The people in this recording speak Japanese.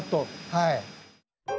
はい。